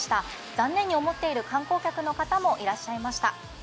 残念に思っている観光客の方もいらっしゃいました。